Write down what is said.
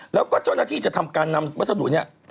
แล้วก็เจ้าหน้าที่จะทำการนำวัสดุเนี่ย